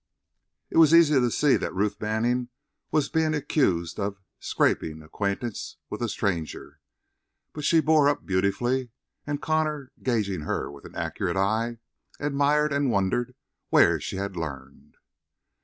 It was easy to see that Ruth Manning was being accused of "scraping" acquaintance with the stranger, but she bore up beautifully, and Connor gauging her with an accurate eye, admired and wondered where she had learned.